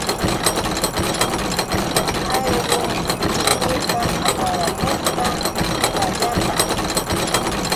Allqun tullata aparamurqa pakallapa.